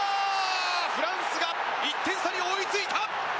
フランスが１点差に追いついた！